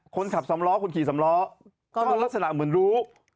คนขับสามล้อคนขี่สามล้อก็ลักษณะเหมือนรู้